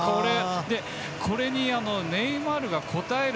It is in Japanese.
これに、ネイマールが応える。